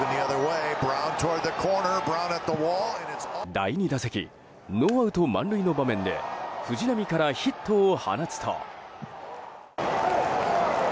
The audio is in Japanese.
第２打席ノーアウト満塁の場面で藤浪からヒットを放つと。